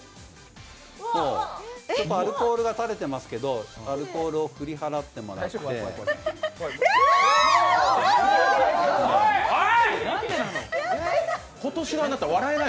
アルコールが垂れてますけどアルコールを振り払ってもらっておい！